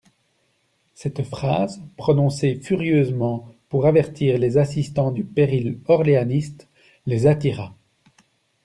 Cette phrase, prononcée furieusement pour avertir les assistants du péril orléaniste, les attira.